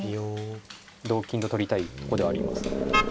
同金と取りたいとこではあります。